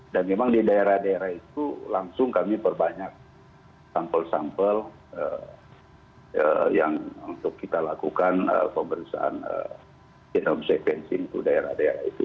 dan memang di daerah daerah itu langsung kami perbanyak sampel sampel yang untuk kita lakukan pemeriksaan genom sepensi itu daerah daerah itu